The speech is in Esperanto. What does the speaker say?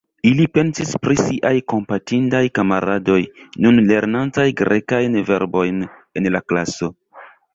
Ili pensis pri siaj kompatindaj kamaradoj, nun lernantaj grekajn verbojn en la klaso.